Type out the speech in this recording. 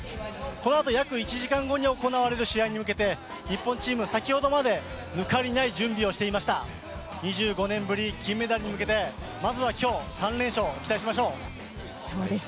このあと約１時間後に行われる試合に向けて、日本チーム、先ほどまで抜かりない準備をしていました、２５年ぶり金メダルへ向けてまずは今日、３連勝期待しましょう。